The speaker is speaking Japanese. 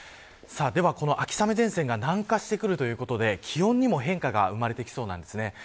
では、この秋雨前線が南下してくるということで気温にも変化が生まれてきそうです。